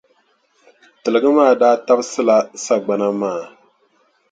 Tiligi maa daa tabisila sagbana maa.